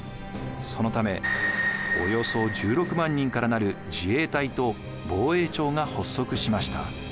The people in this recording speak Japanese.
そのためおよそ１６万人から成る自衛隊と防衛庁が発足しました。